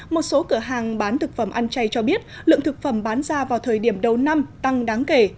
một số cửa hàng bán thực phẩm ăn chay cho biết lượng thực phẩm bán ra vào thời điểm đầu năm tăng đáng kể